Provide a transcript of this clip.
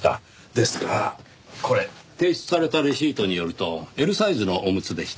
ですがこれ提出されたレシートによるとＬサイズのオムツでした。